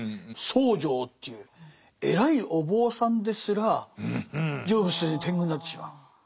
僧正という偉いお坊さんですら成仏せずに天狗になってしまう。